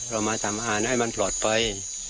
เรามาทำอ่านให้มันปลอดไป